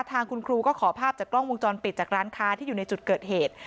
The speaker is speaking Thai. ทางคุณครูก็ขอภาพจากกล้องวงจรปิดจากร้านค้าที่อยู่ในจุดเกิดเหตุ